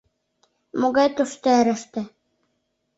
— Могай тоштерыште?